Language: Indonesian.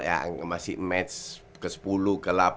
yang masih match ke sepuluh ke delapan